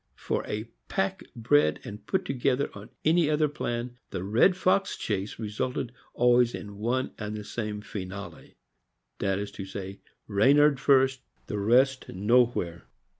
For a pack bred and put together on any other plan, the red fox chase resulted always in one and the same finale, viz. : Reynard first, the rest nowhere.